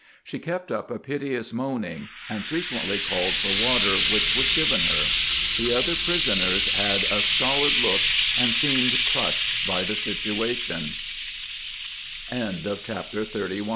She kept up a piteous moaning, and frequently called for water, which was given her. The other prisoners had a stolid look, and seemed crushed by the situatio